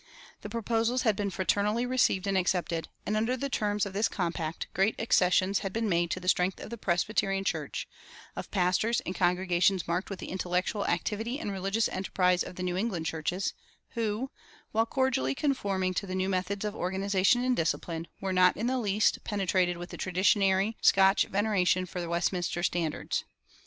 The proposals had been fraternally received and accepted, and under the terms of this compact great accessions had been made to the strength of the Presbyterian Church, of pastors and congregations marked with the intellectual activity and religious enterprise of the New England churches, who, while cordially conforming to the new methods of organization and discipline, were not in the least penetrated with the traditionary Scotch veneration for the Westminster standards.